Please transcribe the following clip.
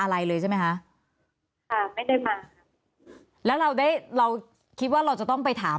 อะไรเลยใช่ไหมคะค่ะไม่ได้มาค่ะแล้วเราได้เราคิดว่าเราจะต้องไปถาม